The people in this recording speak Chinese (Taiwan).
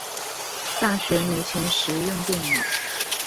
大學沒錢時用電腦